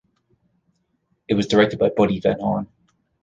It was directed by Buddy Van Horn.